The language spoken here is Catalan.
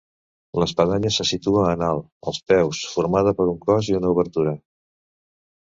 L'espadanya se situa en alt, als peus, formada per un cos i una obertura.